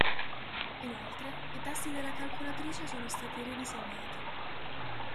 Inoltre, i tasti della Calcolatrice sono stati ridisegnati.